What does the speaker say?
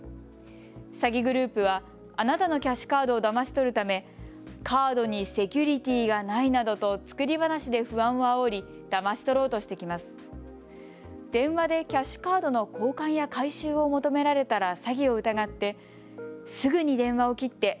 詐欺グループはあなたのキャッシュカードをだまし取るため、カードにセキュリティーがないなどと作り話で不安をあおりだまし取ろうとしてきます。